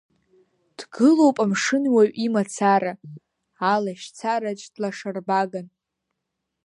Дгылоуп амшынуаҩ имацара, алашьцараҿ длашарбаган.